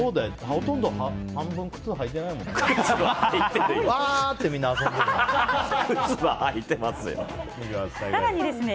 ほとんど半分靴履いてないもんね。